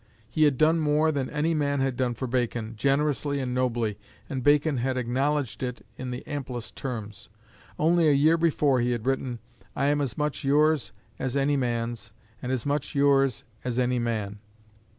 He had done more than any man had done for Bacon, generously and nobly, and Bacon had acknowledged it in the amplest terms. Only a year before he had written, "I am as much yours as any man's, and as much yours as any man."